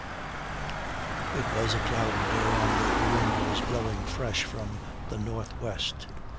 It was a cloudy day and the wind was blowing fresh from the northwest.